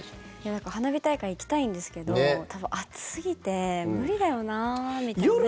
だから、花火大会行きたいんですけど多分、暑すぎて無理だよなみたいに悩んでる。